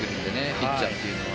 ピッチャーというのは。